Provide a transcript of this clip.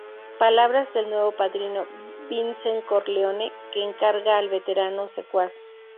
Palabras del nuevo Padrino, Vincent Corleone, que encarga al veterano secuaz.